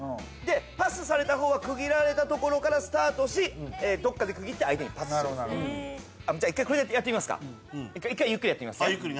パスされた方は区切られたところからスタートしどこかで区切って相手にパスをする１回これでやってみますか１回ゆっくりやってみますね